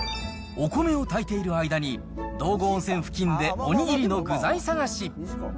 お米を炊いている間に、道後温泉付近でおにぎりの具材探し。